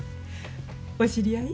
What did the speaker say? お知り合い？